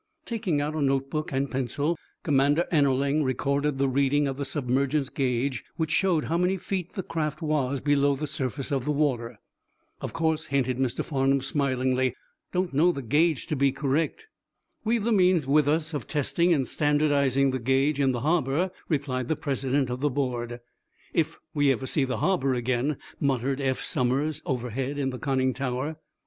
Taking out a notebook and pencil, Commander Ennerling recorded the reading of the submergence gauge, which showed how many feet the craft was below the surface of the water. "Of course," hinted Mr. Farnum, smilingly, "don't know the gauge to be correct." "We've the means with us of testing and standardizing the gauge in the harbor," replied the president of the board. "If we ever see the harbor again," muttered Eph Somers, overhead in the conning tower.